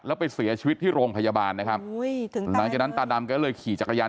แล้วไปเสียชีวิตที่โรงพยาบาลนะครับหลังจากนั้นตาดำก็เลยขี่จักรยาน